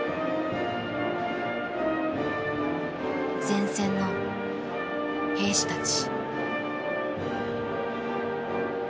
前線の兵士たち。